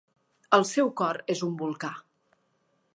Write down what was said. El seu cor és un volcà.